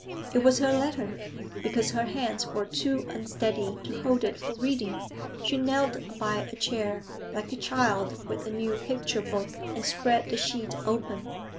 It was her letter; because her hands were too unsteady to hold it for reading, she knelt by a chair, like a child with a new picture book, and spread the sheet open.